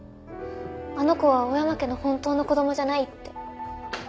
あの子は大山家の本当の子供じゃないって。